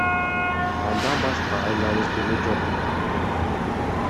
Андан башка айлабыз деле жок.